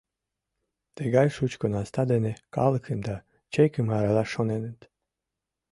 Тыгай шучко наста дене калыкым да чекым аралаш шоненыт.